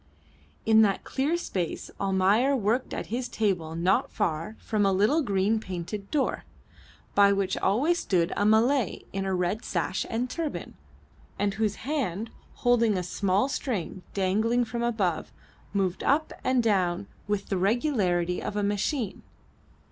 In that clear space Almayer worked at his table not far from a little green painted door, by which always stood a Malay in a red sash and turban, and whose hand, holding a small string dangling from above, moved up and down with the regularity of a machine.